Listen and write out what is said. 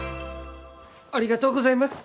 ありがとうございます。